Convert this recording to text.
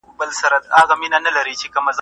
کاشکې انسانان تل یو بل ته مینه ورکړي.